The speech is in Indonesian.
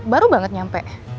baru banget nyampe